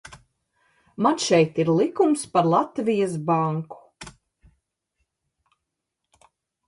Man šeit ir likums par Latvijas Banku.